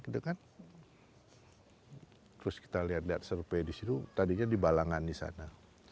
terus kita lihat lihat survei di situ tadinya di balangan di sana